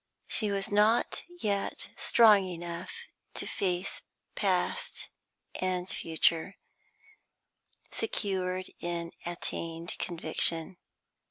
She was not yet strong enough to face past and future, secured in attained conviction.